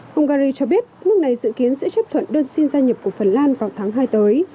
hungary cho biết nước này dự kiến sẽ chấp thuận đơn xin gia nhập của phần lan vào tháng hai tới